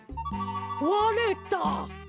われた。